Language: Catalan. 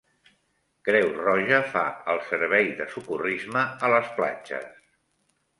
Creu Roja fa el servei de socorrisme a les platges.